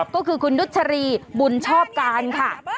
ก็คือคุณนุชรีบุญชอบการค่ะ